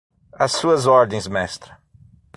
Às suas ordens, mestra